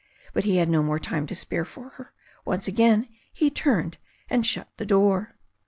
But he had no more time to spare for her. Once again he turned and shut the door.